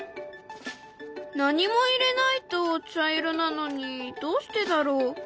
何も入れないと茶色なのにどうしてだろう？